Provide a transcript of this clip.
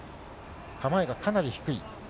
構えがかなり低い。